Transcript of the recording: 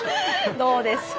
どうですか？